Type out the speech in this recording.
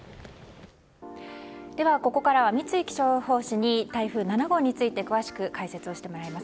ここからは三井気象予報士に台風７号について詳しく解説をしてもらいます。